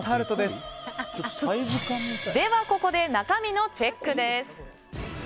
ここで中身のチェックです。